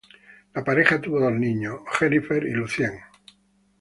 La pareja tuvo dos niños, Jennifer y Lucien.